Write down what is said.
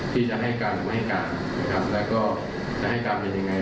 ที่จะให้กันไม่ให้กันแล้วก็จะให้กันเป็นยังไงล่ะ